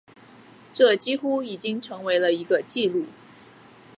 这几乎已经成为了一个记录。